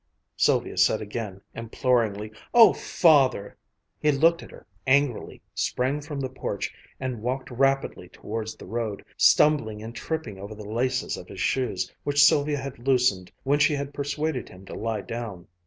Sylvia said again, imploringly, "Oh, Father!" He looked at her angrily, sprang from the porch, and walked rapidly towards the road, stumbling and tripping over the laces of his shoes, which Sylvia had loosened when she had persuaded him to lie down.